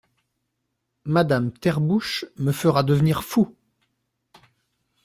Madame Therbouche me fera devenir fou.